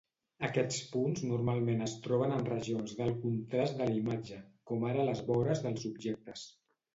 Aquests punts normalment es troben en regions d'alt contrast de la imatge, com ara les vores dels objectes.